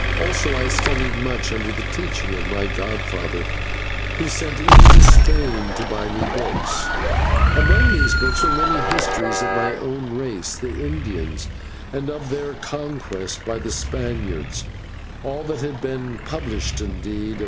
Also I studied much under the teaching of my godfather, who sent even to Spain to buy me books. Among these books were many histories of my own race, the Indians, and of their conquest by the Spaniards, all that had been published indeed.